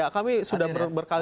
kami sudah berkali kali